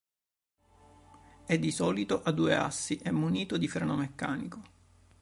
È di solito a due assi e munito di freno meccanico.